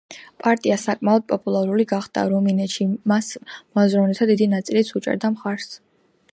პარტია საკმაოდ პოპულარული გახდა, რუმინეთში მას მოაზროვნეთა დიდი ნაწილიც უჭერდა მხარს.